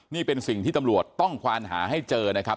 นี่เป็นสิ่งที่ตำรวจต้องควานหาให้เจอนะครับ